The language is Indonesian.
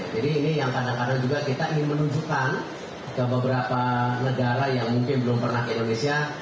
jadi ini yang kadang kadang juga kita ingin menunjukkan ke beberapa negara yang mungkin belum pernah ke indonesia